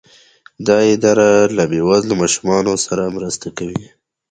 دا اداره له بې وزلو ماشومانو سره مرسته کوي.